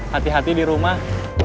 hati hati di rumah